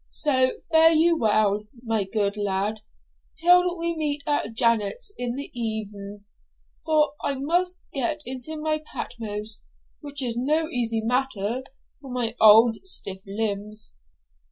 So, fare you well, my good lad, till we meet at Janet's in the even; for I must get into my Patmos, which is no easy matter for my auld stiff limbs.'